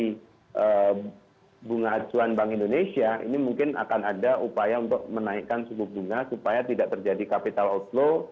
dari bunga acuan bank indonesia ini mungkin akan ada upaya untuk menaikkan suku bunga supaya tidak terjadi capital outflow